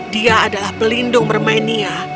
dia adalah pelindung bermenia